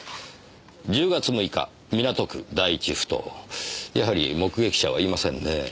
「１０月６日港区第１埠頭」やはり目撃者はいませんねえ。